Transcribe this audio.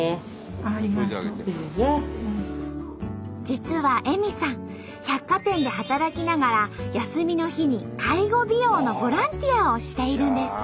実は絵美さん百貨店で働きながら休みの日に介護美容のボランティアをしているんです。